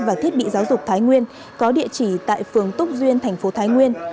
và thiết bị giáo dục thái nguyên có địa chỉ tại phường túc duyên thành phố thái nguyên